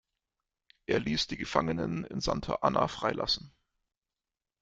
Er ließ die Gefangenen in Santa Ana freilassen.